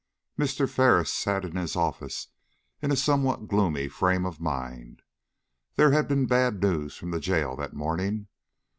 MR. FERRIS sat in his office in a somewhat gloomy frame of mind. There had been bad news from the jail that morning.